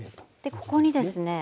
でここにですね。